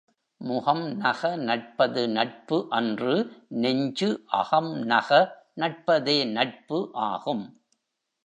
முகம் நக நட்பது நட்பு அன்று நெஞ்சு அகம் நக நட்பதே நட்பு ஆகும்.